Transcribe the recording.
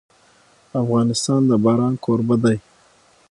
افغانستان د باران کوربه دی.